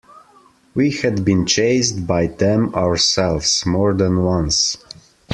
We had been chased by them ourselves, more than once.